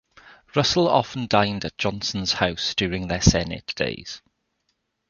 Russell often dined at Johnson's house during their Senate days.